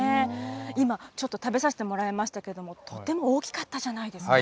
今、ちょっと食べさせてもらいましたけど、とても大きかったじゃないですか。